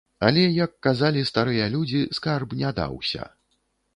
Але, як казалі старыя людзі, скарб не даўся.